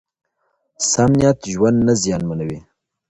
سم نیت ژوند نه زیانمنوي.